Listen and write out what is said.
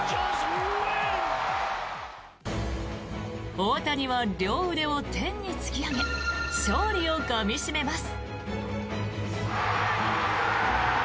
大谷は両腕を天に突き上げ勝利をかみ締めます。